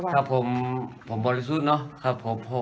ครับผมผมมีทุกที่เนอะ